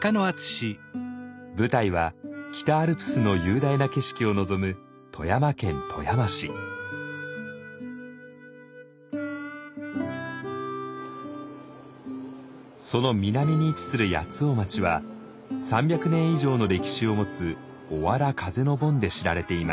舞台は北アルプスの雄大な景色を望むその南に位置する八尾町は３００年以上の歴史を持つ「おわら風の盆」で知られています。